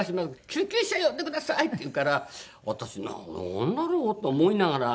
「救急車呼んでください！」って言うから私なんだろう？と思いながら。